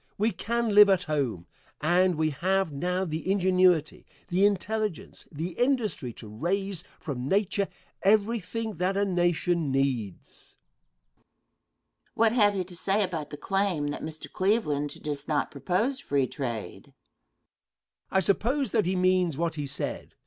We can live at home, and we have now the ingenuity, the intelligence, the industry to raise from nature everything that a nation needs. Question. What have you to say about the claim that Mr. Cleveland does not propose free trade? Answer. I suppose that he means what he said.